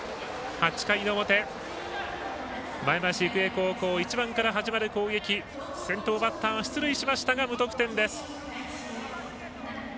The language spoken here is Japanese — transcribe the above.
８回の表、前橋育英高校１番から始まる攻撃先頭バッター、出塁しましたが無得点です。